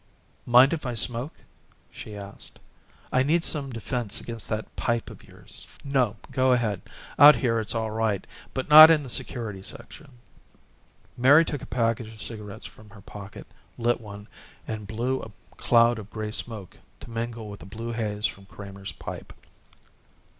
"Mind if I smoke?" she asked. "I need some defense against that pipe of yours." "No go ahead. Out here it's all right, but not in the security section." Mary took a package of cigarettes from her pocket, lit one and blew a cloud of gray smoke to mingle with the blue haze from Kramer's pipe.